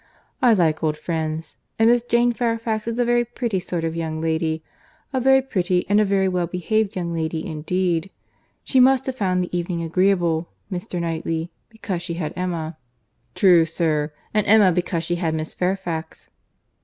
I like old friends; and Miss Jane Fairfax is a very pretty sort of young lady, a very pretty and a very well behaved young lady indeed. She must have found the evening agreeable, Mr. Knightley, because she had Emma." "True, sir; and Emma, because she had Miss Fairfax."